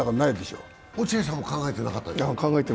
落合さんも考えてなかったですか？